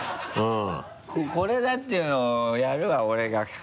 これだっていうのをやるわ俺が。